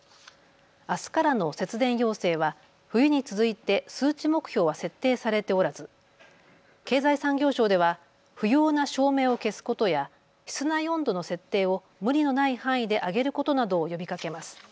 あすからの節電要請は冬に続いて数値目標は設定されておらず経済産業省では不要な照明を消すことや室内温度の設定を無理のない範囲で上げることなどを呼びかけます。